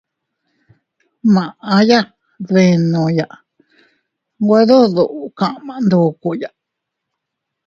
Maʼya dbenoya, nwe dudu kama ndokoya.